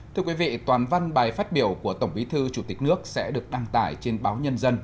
thưa quý vị toàn văn bài phát biểu của tổng bí thư chủ tịch nước sẽ được đăng tải trên báo nhân dân